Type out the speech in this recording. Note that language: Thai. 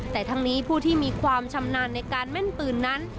แต่ทั้งนี้ผู้ที่มีความชำนาญในการแม่นปืนนั้น